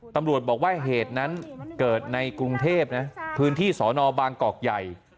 ตำรวจบอกว่าเหตุนั้นเกิดในกรุงเทพนะพื้นที่สอนอบางกอกใหญ่